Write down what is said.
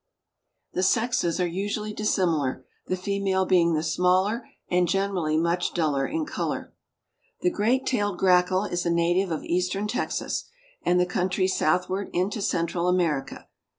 The sexes are usually dissimilar, the female being the smaller and generally much duller in color. The Great tailed Grackle is a native of Eastern Texas, and the country southward into Central America.